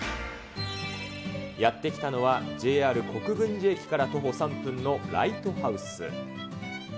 やって来たのは、ＪＲ国分寺駅から徒歩３分のライトハウス。